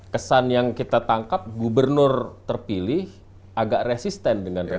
kesan yang kita tangkap gubernur terpilih agak resisten dengan republik